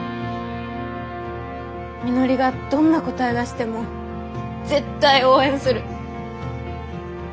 みのりがどんな答え出しても絶対応援する。